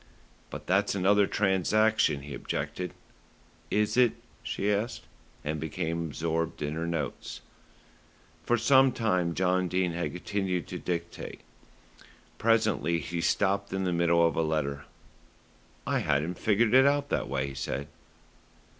"But that's another transaction," he objected. "Is it?" she asked, and became absorbed in her notes. For some time John Dene had continued to dictate. Presently he stopped in the middle of a letter. "I hadn't figured it out that way," he said.